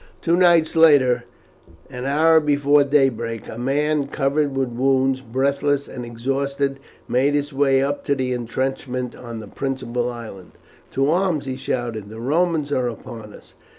Two nights later, an hour before daybreak, a man covered with wounds, breathless and exhausted, made his way up to the intrenchment on the principal island. "To arms!" he shouted. "The Romans are upon us!"